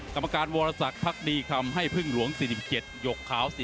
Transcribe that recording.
กรรมการวรสักพักดีคำให้พึ่งหลวง๔๗หยกขาว๔